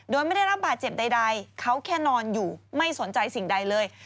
โดยไม่ได้รับบาดเจ็บใดเขาแค่นอนอยู่ไม่สนใจสิ่งใดเลย